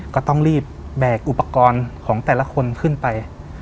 ก็ต้องรีบแบกอุปกรณ์ของแต่ละคนขึ้นไป